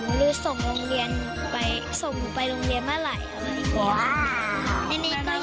หรือส่งหนูไปรุงเรียนเมื่อไหร่อะไรอย่างนี้